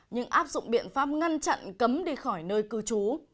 nhưng áp dụng biện pháp ngăn chặn cấm đi khỏi nơi cư trú